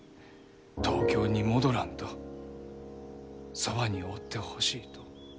東京に戻らんとそばにおってほしいと。